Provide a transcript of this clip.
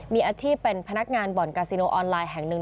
มีอาชีพเป็นพนักงานบ่อนกาซิโนออนไลน์แห่งหนึ่ง